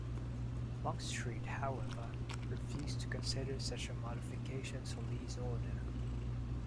Longstreet, however, refused to consider such a modification to Lee's order.